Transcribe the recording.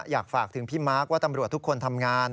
อยากฝากถึงพี่มาร์คว่าตำรวจทุกคนทำงาน